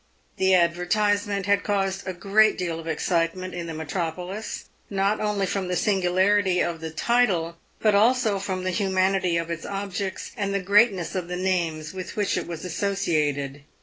The advertisement had caused a great deal of excitement in the metropolis, not only from the singularity of the title, but also from the humanity of its objects and the greatness of the names with which it was associated.